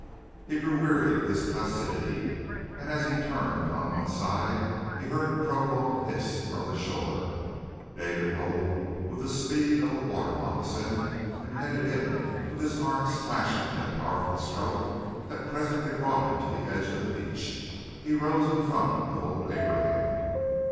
He grew weary of this placidity, and as he turned upon one side he heard a prolonged hiss from the shore. David rolled with the speed of a water moccasin and headed in with his arm flashing in a powerful stroke that presently brought him to the edge of the beach. He rose in front of old Abraham.